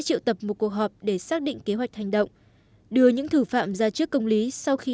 triệu tập một cuộc họp để xác định kế hoạch hành động đưa những thử phạm ra trước công lý sau khi